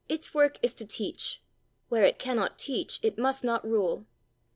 its work is to teach; where it cannot teach, it must not rule!